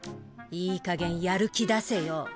いいかげんやる気出せよ。